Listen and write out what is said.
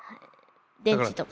電池とか。